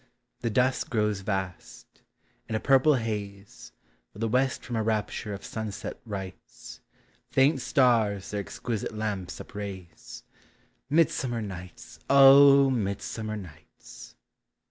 The dusk grows vast; in a purple haze, While the west from a rapture of sunset rights, Faint stars their exquisite lamps upraise — Midsummer nights! O midsummer nights!